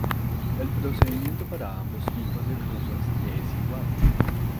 El procedimiento para ambos tipos de cruzas es igual.